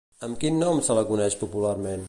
Amb quin nom se la coneix popularment?